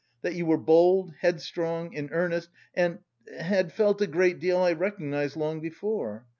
That you were bold, headstrong, in earnest and... had felt a great deal I recognised long before.